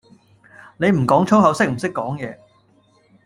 你唔講粗口識唔識講野?